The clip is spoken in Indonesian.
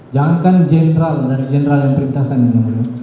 jangankan jenderal dari jenderal yang perintahkan ya mulia